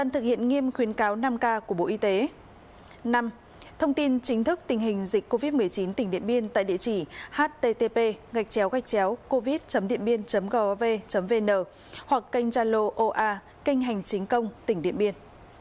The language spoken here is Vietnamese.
năm thông tin chính thức tình hình dịch covid một mươi chín tỉnh điện biên tại địa chỉ http covid dienbien gov vn hoặc kênh trang loa oa kênh hành chính công tỉnh điện biên